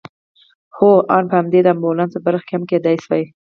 هو آن په همدې د امبولانس په برخه کې هم کېدای شوای.